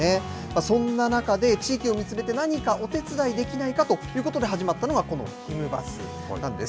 そんな中で地域を見つめて、何かお手伝いできないかということで始まったのが、このひむバス！なんです。